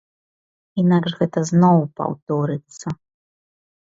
Інакш гэта зноў паўторыцца.